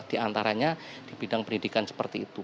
di antaranya di bidang pendidikan seperti itu